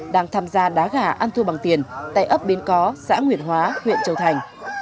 đang tham gia đá gà ăn thua bằng tiền tại ấp bến có xã nguyệt hóa huyện châu thành